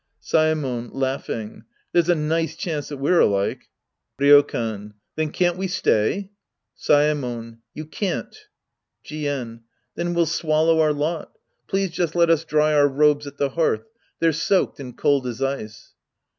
Saemon {Laughing). There's a nice chance that we're alike. Ryokan. Then can't we stay ? Saemon. You can't. Jien. Then we'll swallow our lot. Please just let us dry our robes at the hearth. They're soaked and cold as ice.